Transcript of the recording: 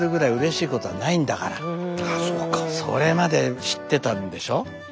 それまで知ってたんでしょ？